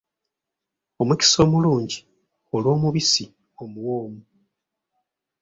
Omukisa omulungi olw’omubisi omuwoomu.